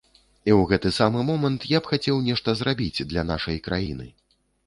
І ў гэты самы момант я б хацеў нешта зрабіць для нашай краіны.